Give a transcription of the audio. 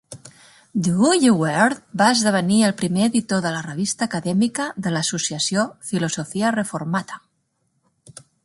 Dooyeweerd va esdevenir el primer editor de la revista acadèmica de l'associació "Philosophia Reformata".